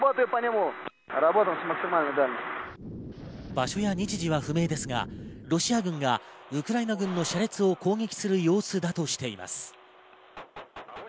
場所や日時は不明ですがロシア軍がウクライナ軍の車列を攻撃する様子だとしています。